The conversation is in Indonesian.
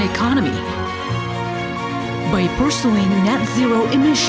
dengan mengambil emisi net zero di operasi dua ribu tiga puluh